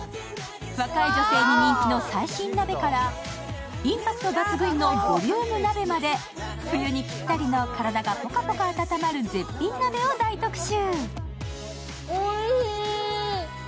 若い女性に人気の最新鍋からインパクト抜群のボリューム鍋まで冬にぴったりな体がぽかぽか温まる絶品鍋を特集。